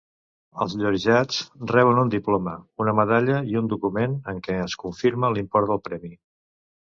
Els llorejats reben un diploma, una medalla i un document en què es confirma l'import del premi.